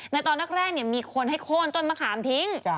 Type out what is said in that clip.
ในตอนแรกมีคนให้โค้นต้นมะขามทิ้ง